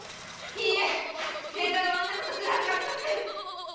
清太郎があんなことするはずがありません！